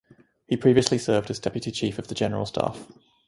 He previously served as deputy Chief of the General Staff.